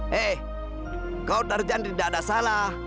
hei kau berjanji tidak ada salah